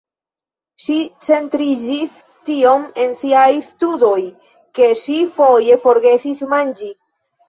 Ŝi centriĝis tiom en siaj studoj ke ŝi foje forgesis manĝi.